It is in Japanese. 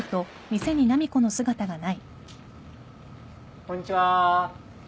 こんにちは。